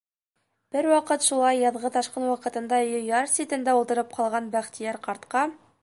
Бер ваҡыт шулай яҙғы ташҡын ваҡытында өйө яр ситендә ултырып ҡалған Бәхтийәр ҡартҡа: